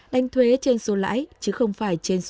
đánh thuế trên số lãi chứ không phải trên số